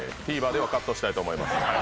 ＴＶｅｒではカットしたいと思います。